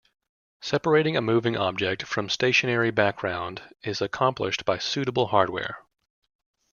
Separating a moving object from stationary background is accomplished by suitable hardware.